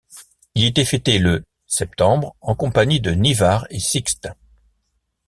Il était fêté le septembre en compagnie de Nivard et Sixte.